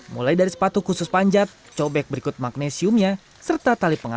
mulai dari sepatu khusus panjat cobek berikut magnesiumnya serta tali pengarah